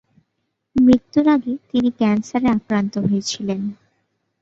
মৃত্যুর আগে তিনি ক্যান্সারে আক্রান্ত হয়েছিলেন।